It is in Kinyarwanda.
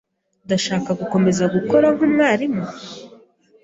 Ndashaka gukomeza gukora nkumwarimu?